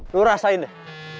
lo rasain deh